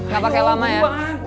gak pake lama ya